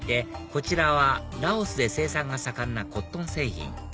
こちらはラオスで生産が盛んなコットン製品